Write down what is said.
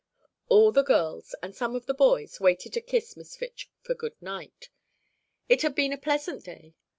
All the girls and some of the boys waited to kiss Miss Fitch for good night. It had been a pleasant day.